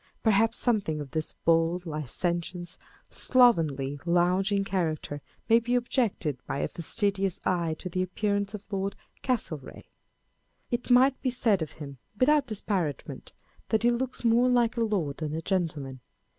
Perhaps something of this bold, licentious, slovenly, lounging character may be objected by a fastidious eye to the appearance of Lord C[astlereagh]. It might be said of him, without disparagement, that he looks more like a lord than a gentleman.